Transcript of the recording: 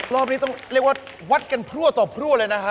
รอบนี้ต้องเรียกว่าวัดกันพรั่วต่อพรั่วเลยนะฮะ